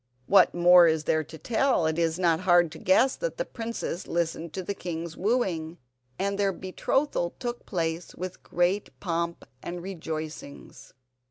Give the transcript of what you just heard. What more is there to tell? It is not hard to guess that the princess listened to the king's wooing, and their betrothal took place with great pomp and rejoicings.